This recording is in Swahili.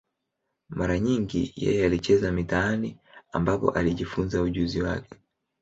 Mara nyingi yeye alicheza mitaani, ambapo alijifunza ujuzi wake.